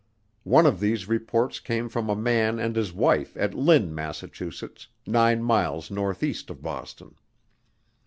One of these reports came from a man and his wife at Lynn, Massachusetts, nine miles northeast of Boston.